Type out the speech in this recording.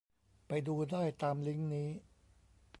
ไปดูได้ตามลิงก์นี้